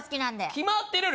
決まってるやろ